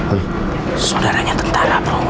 bro saudaranya tentara bro